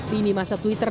di ini masa twitter